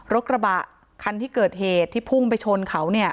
รถกระบะคันที่เกิดเหตุที่พุ่งไปชนเขาเนี่ย